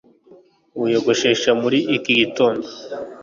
Wiyogoshesha muri iki gitondo